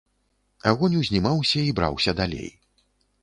Агонь узнімаўся і браўся далей.